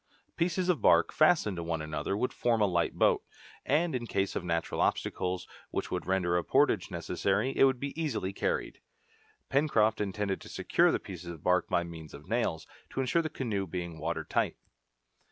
Pieces of bark, fastened one to the other, would form a light boat; and in case of natural obstacles, which would render a portage necessary, it would be easily carried. Pencroft intended to secure the pieces of bark by means of nails, to insure the canoe being water tight.